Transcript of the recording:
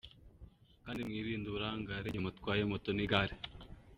kandi mwirinde uburangare igihe mutwaye moto n’igare."